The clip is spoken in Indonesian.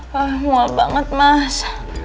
wah mual banget mas